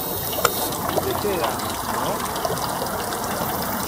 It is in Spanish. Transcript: de seda. ¿ no?